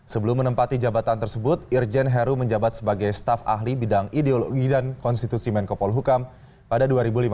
sebelum menempati jabatan tersebut irjen heru menjabat sebagai staf ahli bidang ideologi dan konstitusi menkopol hukam pada dua ribu lima belas